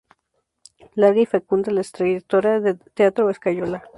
Larga y fecunda es la trayectoria del Teatro Escayola.